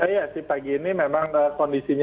iya sih pagi ini memang kondisinya